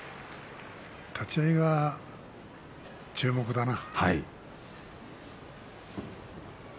立ち合いが注目だな。